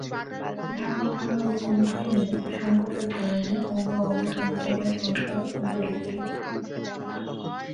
ঢাকা মহানগর কমিটি নিয়ে সংকটের কারণে অন্যান্য অঙ্গ সংগঠনের সংস্কারও থমকে গেছে।